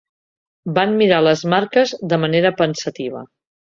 Va mirar les marques de manera pensativa.